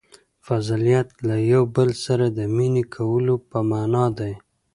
• فضیلت له یوه بل سره د مینې کولو په معنیٰ دی.